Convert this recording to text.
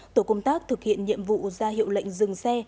tổ công tác thực hiện nhiệm vụ ra hiệu lệnh dừng xe